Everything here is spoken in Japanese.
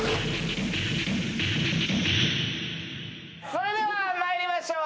それでは参りましょう。